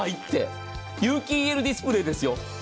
有機ＥＬディスプレーですよ。